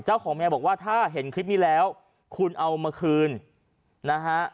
เจ้าของแมวบอกว่าถ้าเห็นคลิปนี้แล้วคุณเอามาคืนนะฮะ